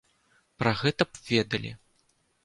Пра гэта б ведалі.